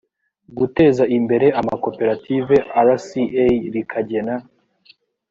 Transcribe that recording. guteza imbere amakoperative rca rikagena